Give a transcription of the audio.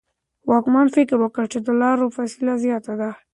واکمن فکر وکړ چې د لارو فاصله زیاته ده.